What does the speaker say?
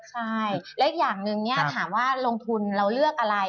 ใช่และอย่างหนึ่งเนี่ยถามว่าลงทุนเราเลือกอะไร